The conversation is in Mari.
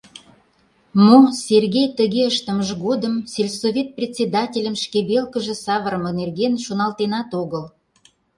Мо Сергей тыге ыштымыж годым сельсовет председательым шке велкыже савырыме нерген шоналтенат огыл.